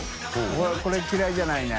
俺これ嫌いじゃない。